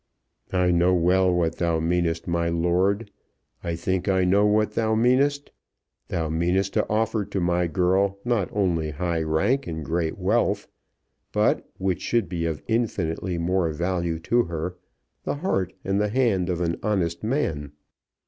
"I know well what thou meanest, my lord. I think I know what thou meanest. Thou meanest to offer to my girl not only high rank and great wealth, but, which should be of infinitely more value to her, the heart and the hand of an honest man.